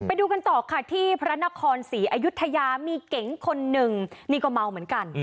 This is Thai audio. ไปดูกันต่อค่ะที่พระนครศรีอยุธยามีเก๋งคนหนึ่งนี่ก็เมาเหมือนกัน